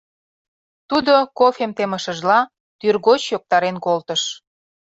Тудо, кофем темышыжла, тӱргоч йоктарен колтыш.